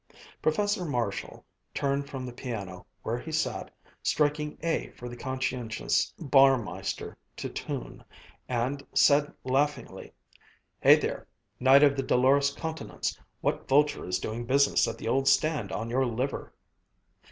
Professor Marshall turned from the piano, where he sat, striking A for the conscientious Bauermeister to tune, and said laughingly, "Hey there, Knight of the Dolorous Countenance, what vulture is doing business at the old stand on your liver?"